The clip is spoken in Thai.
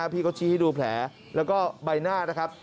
พี่เขาชี้ให้ดูแผลแล้วก็ใบหน้านะครับ